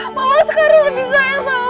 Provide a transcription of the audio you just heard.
mama mungkin sekarang lebih sayang sama mbak andien